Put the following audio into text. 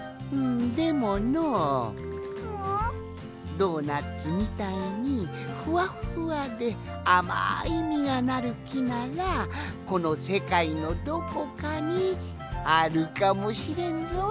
ドーナツみたいにふわっふわであまいみがなるきならこのせかいのどこかにあるかもしれんぞい。